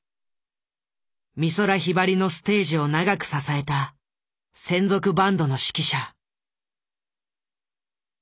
美空ひばりのステージを長く支えた専属バンドの指揮者。